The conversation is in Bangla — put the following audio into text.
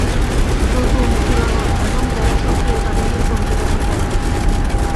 নতুন, পুরানো এবং যারা সক্রীয় তাদের নিয়ে কমিটি গঠন করা হবে।